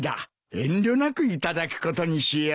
遠慮なくいただくことにしよう。